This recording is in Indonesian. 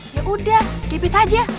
ya udah gepet aja